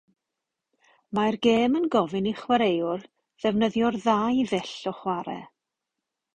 Mae'r gêm yn gofyn i chwaraewr ddefnyddio'r ddau ddull o chwarae.